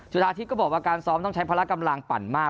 าธิก็บอกว่าการซ้อมต้องใช้พละกำลังปั่นมาก